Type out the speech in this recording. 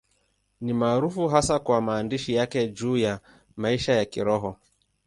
Ni maarufu hasa kwa maandishi yake juu ya maisha ya Kiroho.